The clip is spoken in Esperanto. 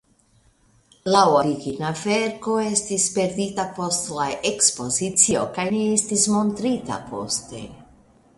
La origina verko estis perdita post la ekspozicio kaj ne estis montrita poste.